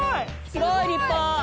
すごい立派。